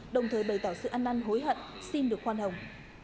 đồng thời bày tỏ sự ăn năn hối hận xin được khoan hồng